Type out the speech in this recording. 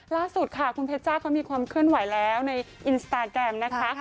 ล่าสุดค่ะคุณเพชจ้าเขามีความเคลื่อนไหวแล้วในอินสตาแกรมนะคะ